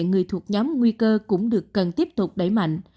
người thuộc nhóm nguy cơ cũng được cần tiếp tục đẩy mạnh